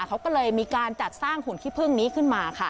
เขาก็เลยมีการจัดสร้างหุ่นขี้พึ่งนี้ขึ้นมาค่ะ